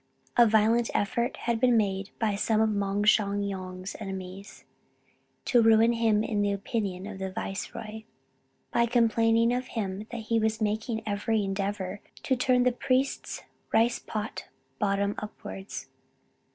A violent effort and been made by some of Moung Shwa gnong's enemies, to ruin him in the opinion of the viceroy, by complaining of him that he was making every endeavor "to turn the priests' rice pot bottom upwards."